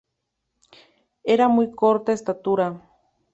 Era de muy corta estatura.